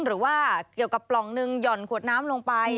หรือว่าเกี่ยวกับปล่องหนึ่งหย่อนขวดน้ำลงไป